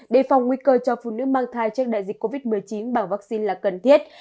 đề phòng nguy cơ cho phụ nữ mang thai trước đại dịch covid một mươi chín bằng vaccine là cần thiết